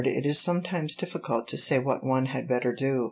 "It is sometimes difficult to say what one had better do."